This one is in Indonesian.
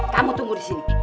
kamu tunggu di sini